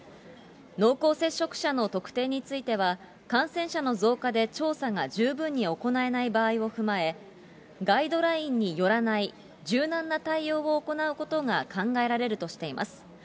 濃厚接触者の特定については、感染者の増加で調査が十分に行えない場合を踏まえ、ガイドラインによらない柔軟な対応を行うことが考えられるとしています。